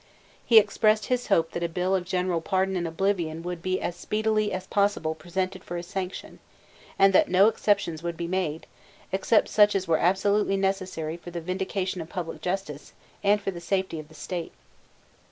He expressed his hope that a bill of general pardon and oblivion would be as speedily as possible presented for his sanction, and that no exceptions would be made, except such as were absolutely necessary for the vindication of public justice and for the safety of the state.